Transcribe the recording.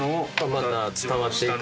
また伝わっていく。